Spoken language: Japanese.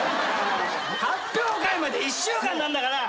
発表会まで１週間なんだから。